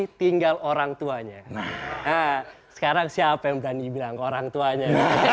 namun tinggal orangtuanya sekarang siapa yang berani bilang orang tuanya